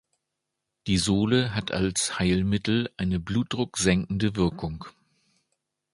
Die Sole hat als Heilmittel eine blutdrucksenkende Wirkung.